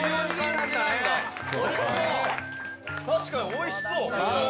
「確かにおいしそう！」